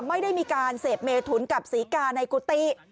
ไม่ได้มีการเสพเมถุนกับศรีกาในกุฏิ